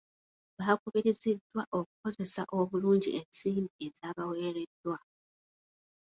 Baakubiriziddwa okukozesa obulungi ensimbi ezaabaweereddwa.